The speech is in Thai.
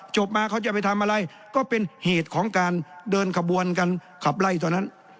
จบมาเขาจะไปทำอะไรก็เป็นเหตุของการเดินขบวนการขับไล่ตอนนั้น